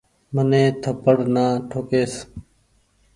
مني ٿپڙ نآ ٺوڪيس ۔